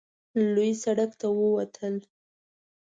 لوی سړک ته ووتل.